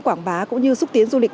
quảng bá cũng như xúc tiến du lịch